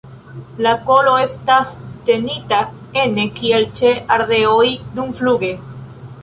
La kolo estas tenita ene kiel ĉe ardeoj dumfluge.